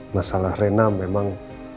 masalah rena memang